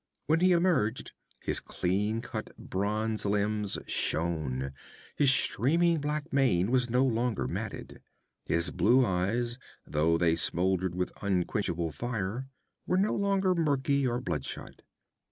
When he emerged, his clean cut bronze limbs shone, his streaming black mane was no longer matted. His blue eyes, though they smoldered with unquenchable fire, were no longer murky or bloodshot.